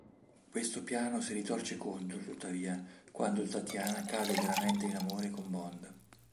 Questo piano si ritorce contro, tuttavia, quando Tatiana cade veramente in amore con Bond.